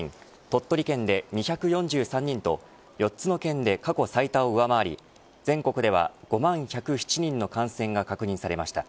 鳥取県で２４３人と４つの県で過去最多を上回り全国では５万１０７人の感染が確認されました。